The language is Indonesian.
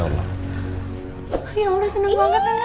ya allah seneng banget dengerin ini